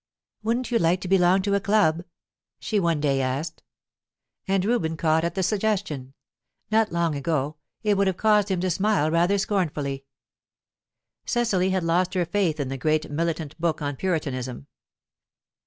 "Wouldn't you like to belong to a club?" she one day asked. And Reuben caught at the suggestion. Not long ago, it would have caused him to smile rather scornfully. Cecily had lost her faith in the great militant book on Puritanism.